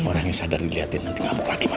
orang yang sadar diliatin nanti gamuk lagi pak